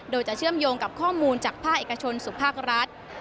โดยจะเชื่อมโยงกับข้อมูลจากภาคเอกชนสู่ภาครัฐ